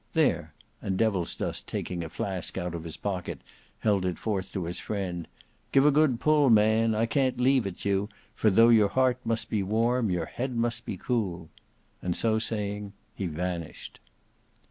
There," and Devilsdust taking a flask out of his pocket, held it forth to his friend, "give a good pull, man, I can't leave it you, for though your heart must be warm, your head must be cool," and so saying he vanished.